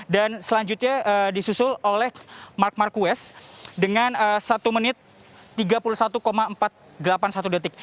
dan selanjutnya disusul oleh mark mcwess dengan satu menit tiga puluh satu empat ratus delapan puluh satu detik